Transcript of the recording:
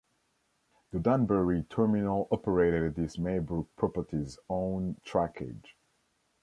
The Danbury Terminal operated this Maybrook Properties-owned trackage.